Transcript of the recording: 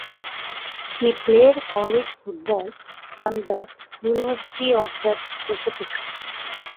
He played college football from the University of the Pacific.